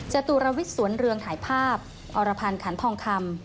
จตุรวิทย์สวนเรืองถ่ายภาพอรพันธ์ขันทองคำ